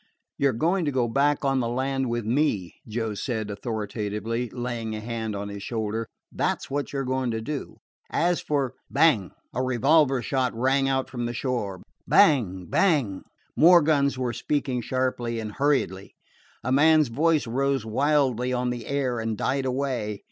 "You 're going to go back on the land with me," Joe said authoritatively, laying a hand on his shoulder. "That 's what you 're going to do. As for " Bang! a revolver shot rang out from the shore. Bang! bang! More guns were speaking sharply and hurriedly. A man's voice rose wildly on the air and died away.